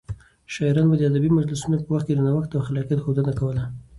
شاعران به د ادبي مجلسونو په وخت د نوښت او خلاقيت ښودنه کوله.